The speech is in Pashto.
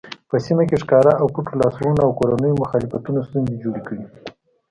په سیمه کې ښکاره او پټو لاسوهنو او کورنیو مخالفتونو ستونزې جوړې کړې.